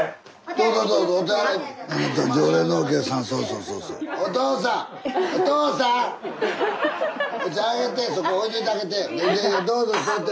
どうぞ座って。